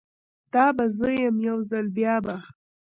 دا به زه یم، یوځل بیا به